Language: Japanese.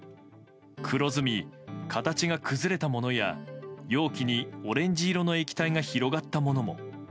黒ずみ、形が崩れたものや容器にオレンジ色の液体が広がったものも。